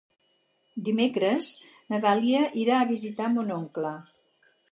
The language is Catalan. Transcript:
Dimecres na Dàlia irà a visitar mon oncle.